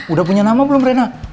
udah punya nama belum rena